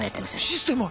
システマ！